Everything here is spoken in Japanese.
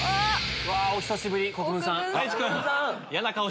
お久しぶり国分さん。